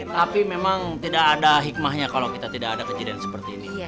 tapi memang tidak ada hikmahnya kalau kita tidak ada kejadian seperti ini